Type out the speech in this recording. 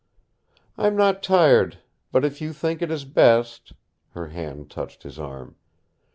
"I'm not tired, but if you think it is best " Her hand touched his arm.